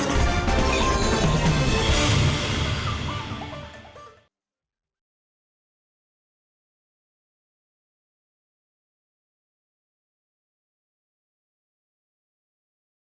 kebetulan kita lihat